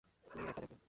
তুমি একা যাবে?